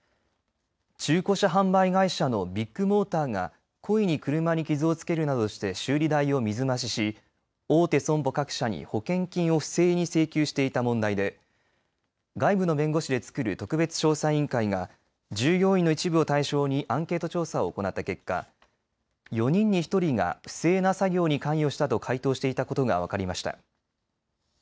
中古車販売会社のビッグモーターが故意に車に傷をつけるなどして修理代を水増しし大手損保各社に保険金を不正に請求していた問題で外部の弁護士でつくる特別調査委員会が従業員の一部を対象にアンケート調査を行った結果４人に１人が不正な作業に関与したと回答していたことが分かりました。